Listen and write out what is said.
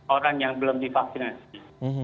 orang yang belum divaksinasi